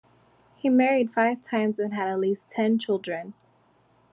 He married five times and had at least ten children.